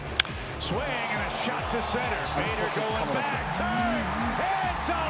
ちゃんと結果も出します。